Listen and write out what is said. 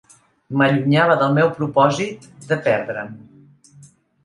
M'allunyava del meu propòsit de perdre'm